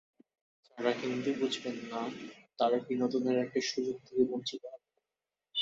যাঁরা হিন্দি বুঝবেন না, তাঁরা বিনোদনের একটি সুযোগ থেকে বঞ্চিত হবেন।